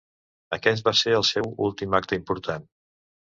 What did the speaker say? Aquest va ser el seu últim acte important.